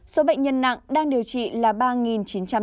số bệnh nhân nặng đang điều trị là ba chín trăm tám mươi ca